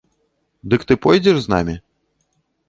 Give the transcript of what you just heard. Дык ты пойдзеш з намі?